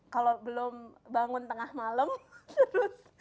kalau belum bangun tengah malem terus